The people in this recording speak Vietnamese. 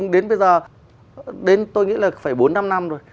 đến bây giờ đến tôi nghĩ là phải bốn năm năm rồi